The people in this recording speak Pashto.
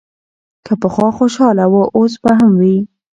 که پخوا خوشاله و، اوس به هم وي.